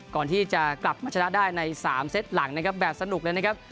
ก่อนที่จะกลับมาชนะได้ใน๓เซตหลังนะครับแบบสนุกเลยนะครับ